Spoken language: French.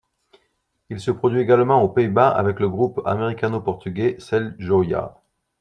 Il se produit également aux Pays-Bas avec le groupe américano-portugais Sail-Joia.